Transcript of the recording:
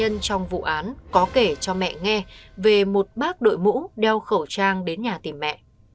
nạn nhân trong vụ án có kể cho mẹ nghe về một bác đội mũ đeo khẩu trang đến nhà tìm mẹ